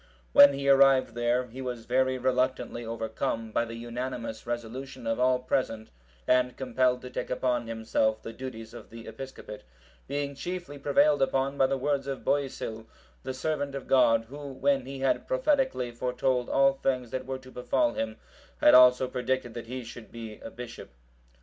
When he arrived there, he was very reluctantly overcome by the unanimous resolution of all present, and compelled to take upon himself the duties of the episcopate; being chiefly prevailed upon by the words of Boisil, the servant of God, who, when he had prophetically(752) foretold all things that were to befall him, had also predicted that he should be a bishop.